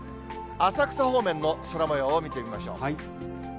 浅草方面の空もようを見てみましょう。